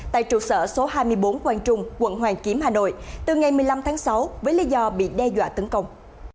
tại trụ sở số hai mươi bốn quang trung quận hoàn kiếm hà nội từ ngày một mươi năm tháng sáu với lý do bị đe dọa tấn công